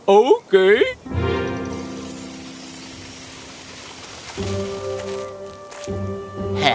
oke aku akan melakukan